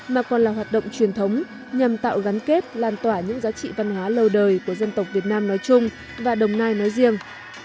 mà còn là hoạt động truyền thống nhằm tạo gắn kết lan tỏa những giá trị văn hóa lâu đời của dân tộc việt nam nói chung và đồng nai nói riêng